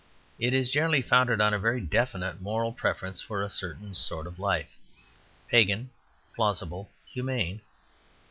It is generally founded on a very definite moral preference for a certain sort of life, pagan, plausible, humane.